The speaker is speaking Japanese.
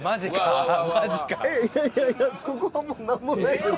えっいやいやいやここはもうなんもないです。